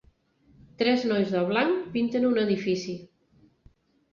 Tres nois de blanc pinten un edifici.